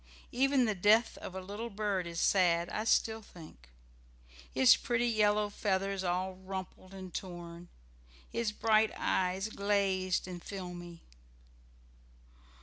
Even the death of a little bird is sad, I still think. His pretty yellow feathers all rumpled and torn, his bright eyes glazed and filmy.